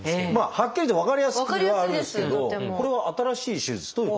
はっきり分かりやすくはあるんですけどこれは新しい手術ということですか？